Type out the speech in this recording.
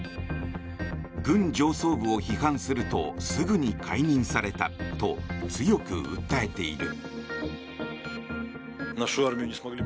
軍上層部を批判するとすぐに解任されたと強く訴えている。